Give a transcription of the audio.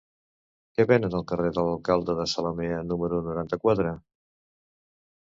Què venen al carrer de l'Alcalde de Zalamea número noranta-quatre?